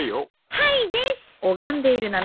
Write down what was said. はいです。